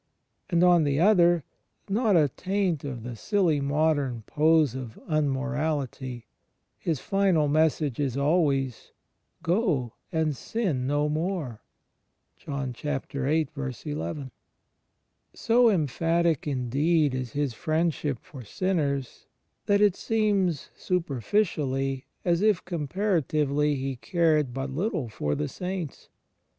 And, on the other, not a taint of the silly modem pose of unmorality: His Gndl message is always, "Go, and now sin no more." * So emphatic, indeed, is His Friendship for sinners that it seems, superficially, as if comparatively He cared but little for the saints.